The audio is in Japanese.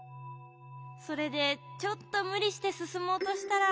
それでちょっとむりしてすすもうとしたら。